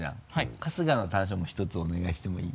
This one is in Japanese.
春日の短所も１つお願いしてもいい？